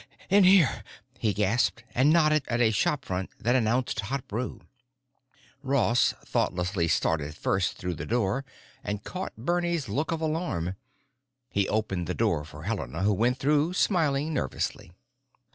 "In here," he gasped, and nodded at a shopfront that announced hot brew. Ross thoughtlessly started first through the door and caught Bernie's look of alarm. He opened the door for Helena, who went through smiling nervously.